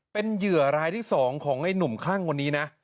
เป็นเหยื่อรายที่๒ของไอ้หนุ่มคลั่งคนนี้นะ